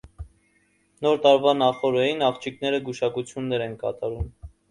Նոր տարվա նախօրեին աղջիկները գուշակություններ են կատարում։